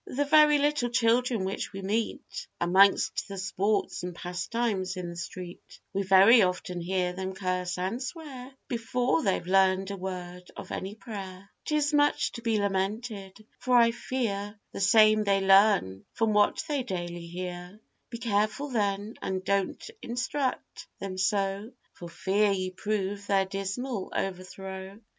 The very little children which we meet, Amongst the sports and pastimes in the street, We very often hear them curse and swear, Before they've learned a word of any prayer. 'Tis much to be lamented, for I fear The same they learn from what they daily hear; Be careful then, and don't instruct them so, For fear you prove their dismal overthrow.